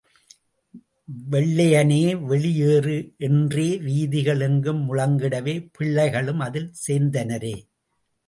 வெள்ளைய னே, வெளி யேறு! என்றே வீதிகள் எங்கும் முழங்கிடவே பிள்ளை களும்அதில் சேர்ந்தனரே.